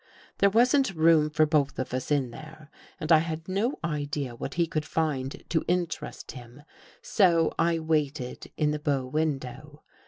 There wasn't room for both of us in there and I had no idea what he could find to interest him, so I waited in the bow window.